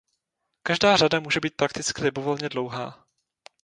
Každá řada může být prakticky libovolně dlouhá.